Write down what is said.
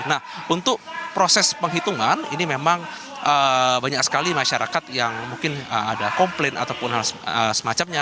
nah untuk proses penghitungan ini memang banyak sekali masyarakat yang mungkin ada komplain ataupun hal semacamnya